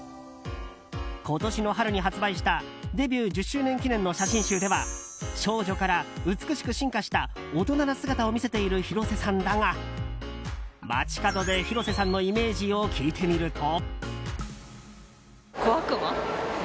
今年の春に発売したデビュー１０周年記念の写真集では少女から美しく進化した大人な姿を見せている広瀬さんだが街角で広瀬さんのイメージを聞いてみると。